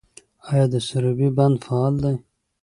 آیا د سروبي بند فعال دی؟